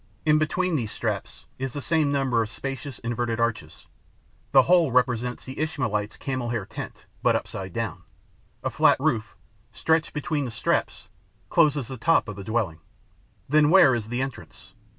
In between these straps is the same number of spacious inverted arches. The whole represents the Ishmaelite's camel hair tent, but upside down. A flat roof, stretched between the straps, closes the top of the dwelling. Then where is the entrance?